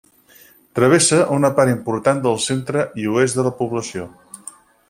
Travessa una part important del centre i oest de la població.